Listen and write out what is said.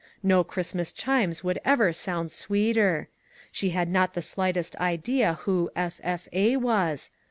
No Christmas chimes would ever sound sweeter. She had not the slightest idea who " F. F. A." was.